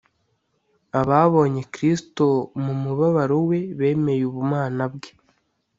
ababonye kristo mu mubabaro we bemeye ubumana bwe